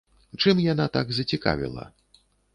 Чым яна так зацікавіла?